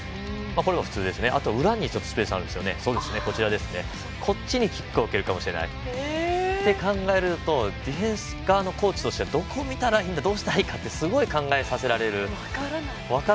これは普通ですが、あとは裏にスペースがあってキックを蹴るかもしれないと考えるとディフェンス側のコーチとしたらどこを見たらいいんだどうしたらいいかってすごい考えさせられる。